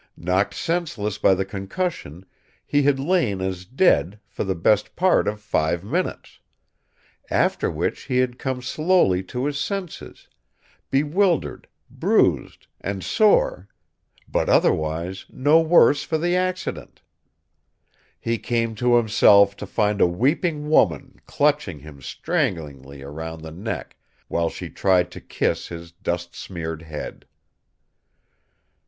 Knocked senseless by the concussion, he had lain as dead, for the best part of five minutes. After which he had come slowly to his senses bewildered, bruised and sore, but otherwise no worse for the accident. He came to himself to find a weeping woman clutching him stranglingly round the neck, while she tried to kiss his dust smeared head.